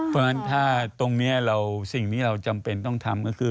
เพราะฉะนั้นถ้าตรงนี้สิ่งที่เราจำเป็นต้องทำก็คือ